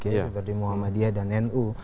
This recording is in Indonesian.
seperti muhammadiyah dan nu